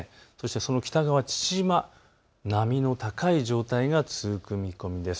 その北側、父島、波の高い状態が続く見込みです。